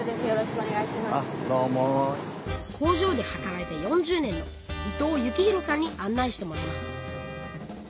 工場で働いて４０年の伊藤幸洋さんに案内してもらいます。